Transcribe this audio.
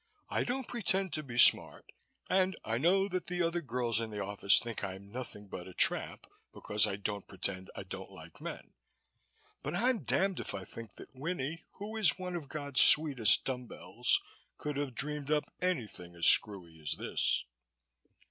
"I don't pretend to be smart and I know that the other girls in the office think I'm nothing but a tramp because I don't pretend I don't like men, but I'm damned if I think that Winnie, who is one of God's sweetest dumb bells, could have dreamed up anything as screwy as this."